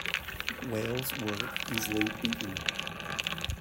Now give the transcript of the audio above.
Wales were easily beaten.